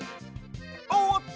おっと！